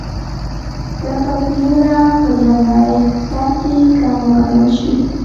دا توپیرونه په لومړي سرکې کم وګڼل شي.